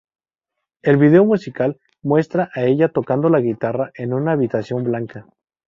El vídeo musical muestra a ella tocando la guitarra en una habitación blanca.